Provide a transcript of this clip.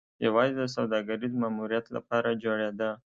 یوازې د سوداګریز ماموریت لپاره جوړېده.